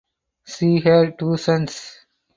She had two sons.